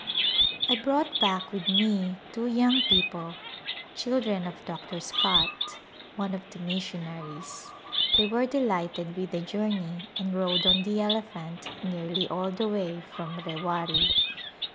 I brought back with me two young people, children of Dr. Scott, one of the missionaries. They were delighted with the journey and rode on the elephant nearly all the way from Rewari.